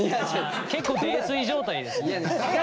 結構泥酔状態ですね。